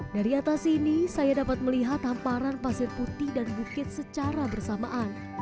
dari atas sini saya dapat melihat hamparan pasir putih dan bukit secara bersamaan